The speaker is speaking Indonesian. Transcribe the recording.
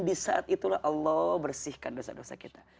di saat itulah allah bersihkan dosa dosa kita